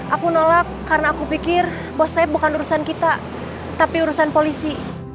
aku nolak karena aku pikir bahwa saya bukan urusan kita tapi urusan polisi